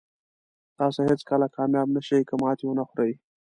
تاسو هېڅکله کامیاب نه شئ که ماتې ونه خورئ.